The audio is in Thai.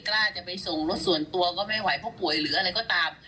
กล้าจะไปส่งรถส่วนตัวก็ไม่ไหวเพราะป่วยหรืออะไรก็ตาม